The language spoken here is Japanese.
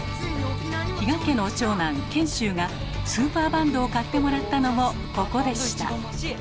比嘉家の長男賢秀がスーパーバンドを買ってもらったのもここでした。